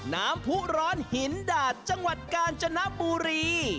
๓น้ำผู้ร้อนหินดาดจังหวัดกานจณะบุรี